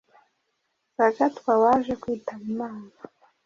Sagatwa waje kwitaba Imana